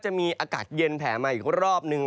จะมีอากาศเย็นแผลมาอีกรอบนึง